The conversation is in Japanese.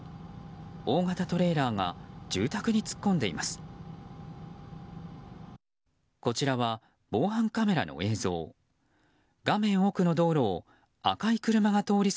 大型トレーラーが住宅に突っ込んでいます。